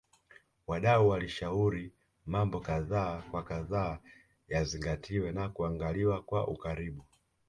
Wadau walishauri mambo kadha wa kadha yazingatiwe na kuangaliwa kwa ukaribu